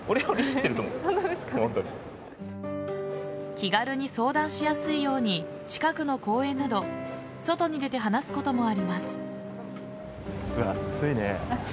気軽に相談しやすいように近くの公園など外に出て話すこともあります。